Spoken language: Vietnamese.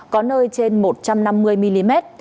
có nơi trên một trăm năm mươi mm